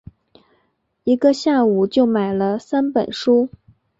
一个下午就买了三本书